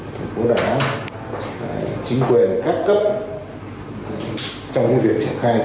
thành phố đà nẵng chính quyền các cấp trong những việc triển khai